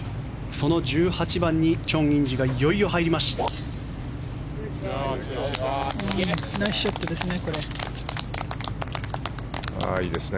その１８番にチョン・インジがいよいよ入ります。